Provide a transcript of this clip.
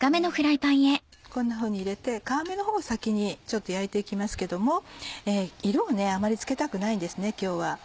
こんなふうに入れて皮目のほうを先にちょっと焼いて行きますけども色をあんまりつけたくないんですね今日は。